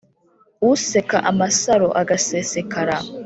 Useka amasaro agasesekara